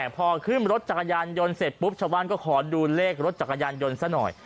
พอขึ้นรถจักรยานยนต์เสร็จปุ๊บชาวบ้านก็ขอดูเลขรถจักรยานยนต์ซะหน่อย